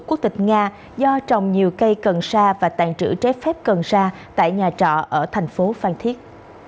quốc tịch nga do trồng nhiều cây cần sa và tàn trữ trái phép cần sa tại nhà trọ ở thành phố phan thiết